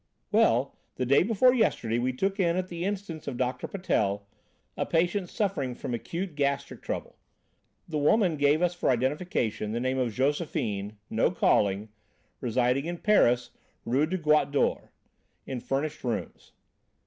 "Well, the day before yesterday, we took in at the instance of Doctor Patel, a patient suffering from acute gastric trouble. The woman gave us for identification the name of Josephine, no calling, residing in Paris, Rue de Goutte d'Or, in furnished rooms.